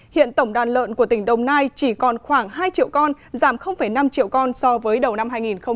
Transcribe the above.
hiện tổng đàn lợn của tỉnh đồng nai chỉ còn khoảng hai triệu con giảm năm triệu con so với đầu năm hai nghìn một mươi chín